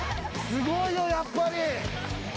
すごいよやっぱり！